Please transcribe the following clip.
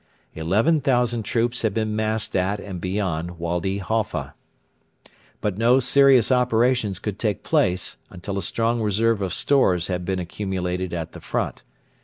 Eleven thousand troops had been massed at and beyond Wady Halfa. But no serious operations could take place until a strong reserve of stores had been accumulated at the front.